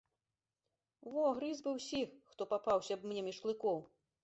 Во, грыз бы ўсіх, хто папаўся б мне між клыкоў.